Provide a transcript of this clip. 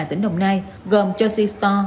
tỉnh đồng nai gồm josie store